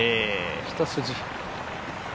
一筋。